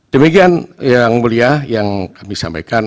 demikian yang mulia yang kami sampaikan